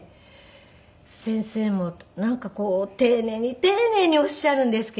先生もなんかこう丁寧に丁寧におっしゃるんですけど。